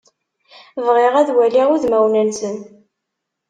Bɣiɣ ad waliɣ udmawen-nsen.